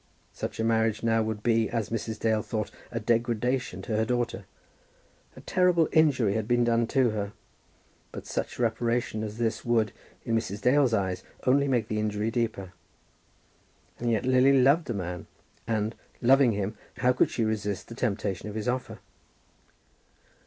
Such a marriage now would be, as Mrs. Dale thought, a degradation to her daughter. A terrible injury had been done to her; but such reparation as this would, in Mrs. Dale's eyes, only make the injury deeper. And yet Lily loved the man; and, loving him, how could she resist the temptation of his offer?